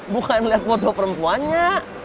bukan liat foto perempuannya